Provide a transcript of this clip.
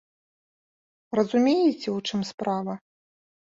Разумееце, у чым справа?